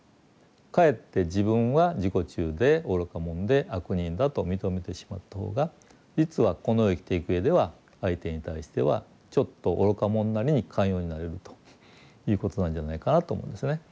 かえって自分は自己中で愚か者で悪人だと認めてしまった方が実はこの世を生きていくうえでは相手に対してはちょっと愚か者なりに寛容になれるということなんじゃないかなと思うんですね。